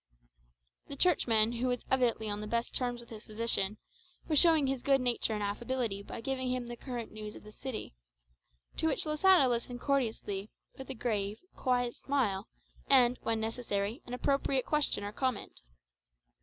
The Churchman, who was evidently on the best terms with his physician, was showing his good nature and affability by giving him the current news of the city; to which Losada listened courteously, with a grave, quiet smile, and, when necessary, an appropriate question or comment.